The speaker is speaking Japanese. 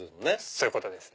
そういうことです。